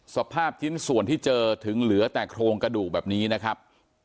สภาพชิ้นส่วนที่เจอถึงเหลือแต่โครงกระดูกแบบนี้นะครับ